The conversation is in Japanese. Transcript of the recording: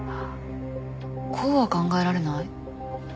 こうは考えられない？